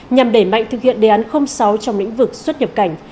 nhằm đẩy mạnh thực hiện đề án sáu trong lĩnh vực xuất nhập cảnh